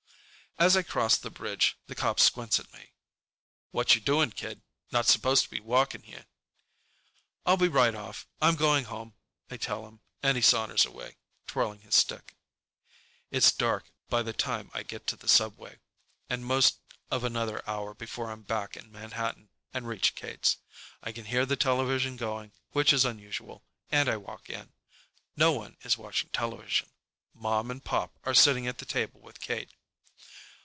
As I cross the bridge, the cop squints at me. "What you doing, kid? Not supposed to be walking here." "I'll be right off. I'm going home," I tell him, and he saunters away, twirling his stick. It's dark by the time I get to the subway, and most of another hour before I'm back in Manhattan and reach Kate's. I can hear the television going, which is unusual, and I walk in. No one is watching television. Mom and Pop are sitting at the table with Kate.